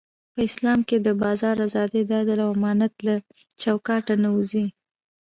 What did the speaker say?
په اسلام کې د بازار ازادي د عدل او امانت له چوکاټه نه وځي.